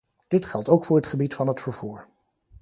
Dit geldt ook voor het gebied van het vervoer.